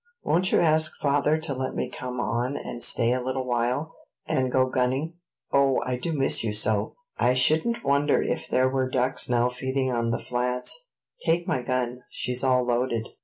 "Won't you ask father to let me come on and stay a little while, and go gunning? O, I do miss you so!" "I shouldn't wonder if there were ducks now feeding on the flats; take my gun; she's all loaded."